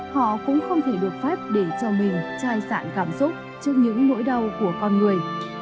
họ cũng không thể được phép để cho mình trai sạn cảm xúc trước những nỗi đau của con người